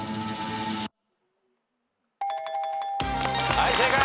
はい正解。